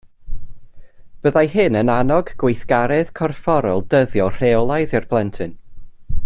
Byddai hyn yn annog gweithgaredd corfforol dyddiol rheolaidd i'r plentyn